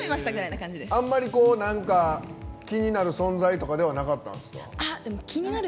あんまり気になる存在とかではなかったんですか。